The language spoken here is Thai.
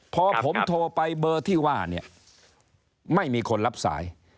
พอผมโทรไปเบอร์ที่ว่าเนี่ยไม่มีคนรับสาย